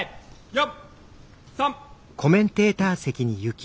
４３。